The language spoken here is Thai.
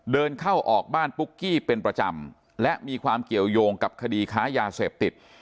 เดินเข้าออกบ้านปุ๊กกี้เป็นประจำและมีความเกี่ยวยงกับคดีค้ายาเสพติด